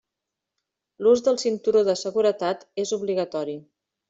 L'ús del cinturó de seguretat és obligatori.